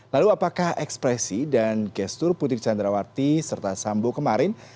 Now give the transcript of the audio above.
lalu apakah ekspresi dan gestur putri candrawati serta sambo kemarin